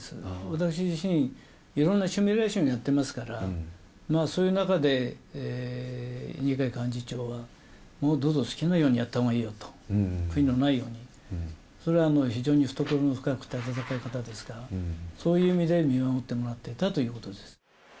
私自身、いろんなシミュレーションやってますから、そういう中で二階幹事長は、もうどうぞ、好きなようにやったほうがいいよと、悔いのないように、それはもう非常に懐の深くて温かい方ですから、そういう意味で見守ってもらってたということです。